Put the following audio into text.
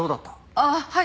ああはい。